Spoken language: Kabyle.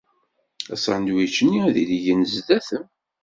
Asandwič-nni ad t-id-gen sdat-m.